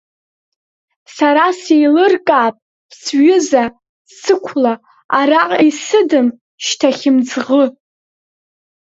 Са сеилыркаап сҩыза, сықәла, араҟа исыдым шьҭа хьымӡӷы.